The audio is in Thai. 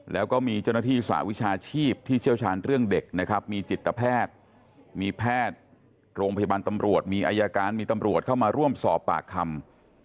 แล้วก็มีเจ้าหน้าที่สหวิชาชีพที่เชี่ยวชาญเรื่องเด็กนะครับมีจิตแพทย์มีแพทย์โรงพยาบาลตำรวจมีอายการมีตำรวจเข้ามาร่วมสอบปากคำ